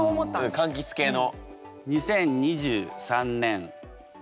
かんきつ系の。